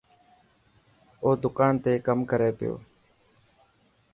او دڪان تي ڪم ڪري پيو.